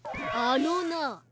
あのな。